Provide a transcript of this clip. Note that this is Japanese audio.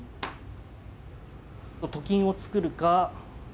と金を作るか。